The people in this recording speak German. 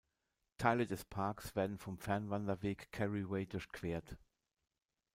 Teile des Parks werden vom Fernwanderweg Kerry Way durchquert.